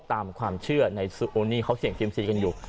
ตามความเชื่อในโอนี่เขาเสี่ยงเซียมซีกันอยู่